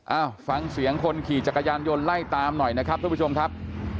เอ้าฟังเสียงคนขี่จักรยานยนต์ไล่ตามหน่อยนะครับทุกผู้ชมครับ